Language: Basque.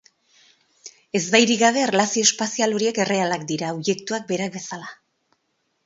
Ezbairik gabe, erlazio espazial horiek errealak dira, objektuak berak bezala.